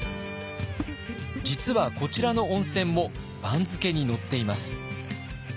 実はこちらの温泉も番付に載っています。